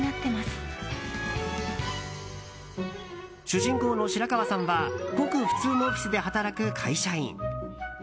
主人公の白川さんはごく普通のオフィスで働く会社員。